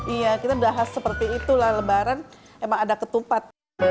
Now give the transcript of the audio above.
iya kita bahas seperti itulah lebaran emang ada ketupat